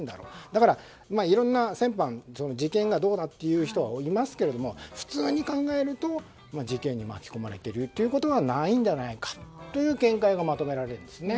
だから、事件がどうかという人はいますけれども普通に考えると事件に巻き込まれているということはないんじゃないかという見解がまとめられるんですね。